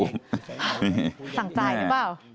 สั่งจ่ายหรือเปล่า